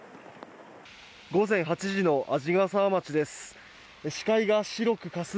午前８時の鰺ヶ沢町です。